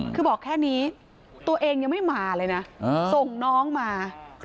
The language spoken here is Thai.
คือบอกแค่นี้ตัวเองยังไม่มาเลยนะส่งน้องมา